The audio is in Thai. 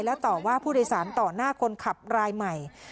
และต่อว่าผู้โดยสารต่อหน้าคนขับรายใหม่